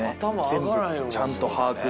全部ちゃんと把握して。